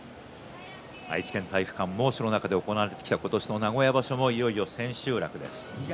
愛知県体育館、猛暑の中で行われてきた今年の名古屋場所もいよいよ千秋楽です。